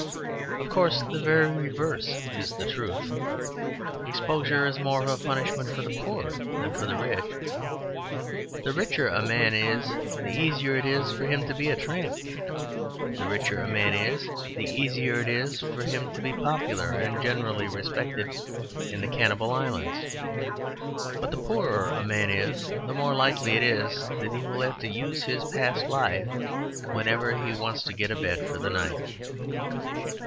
Of course, the very reverse is the truth. Exposure is more of a punishment for the poor than for the rich. The richer a man is the easier it is for him to be a tramp. The richer a man is the easier it is for him to be popular and generally respected in the Cannibal Islands. But the poorer a man is the more likely it is that he will have to use his past life whenever he wants to get a bed for the night.